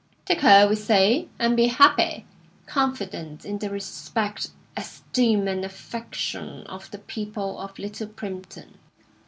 Take her, we say, and be happy; confident in the respect, esteem, and affection of the people of Little Primpton.